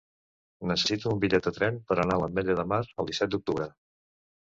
Necessito un bitllet de tren per anar a l'Ametlla de Mar el disset d'octubre.